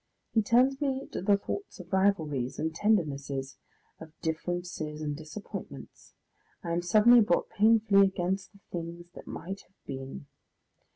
He turns me to the thought of rivalries and tendernesses, of differences and disappointments. I am suddenly brought painfully against the things that might have been.